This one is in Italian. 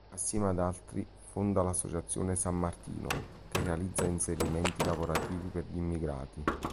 Assieme ad altri, fonda l'associazione "San Martino", che realizza inserimenti lavorativi per immigrati.